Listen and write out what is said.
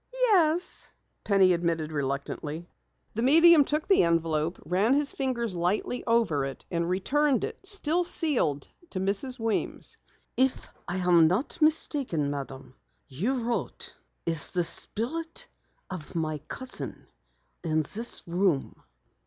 "Yes," Penny admitted reluctantly. The medium took the envelope, ran his fingers lightly over it, and returned it still sealed to Mrs. Weems. "If I am not mistaken, Madam, you wrote, 'Is the spirit of my cousin in this room?'"